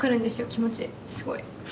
気持ちすごい。